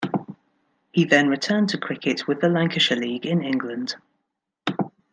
He then returned to cricket with the Lancashire League in England.